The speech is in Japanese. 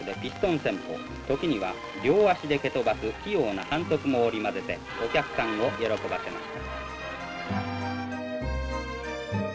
時には両足で蹴飛ばす器用な反則も織り交ぜてお客さんを喜ばせました」。